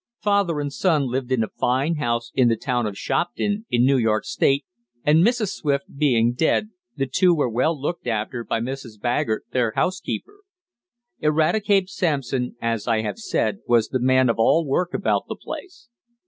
Father and son lived in a fine house in the town of Shopton, in New York state, and Mrs. Swift being dead, the two were well looked after by Mrs. Baggert their housekeeper. Eradicate Sampson, as I have said, was the man of all work about the place.